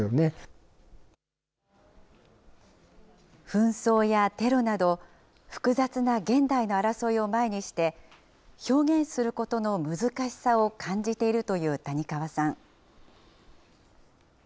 紛争やテロなど、複雑な現代の争いを前にして、表現することの難しさを感じているという谷川さん。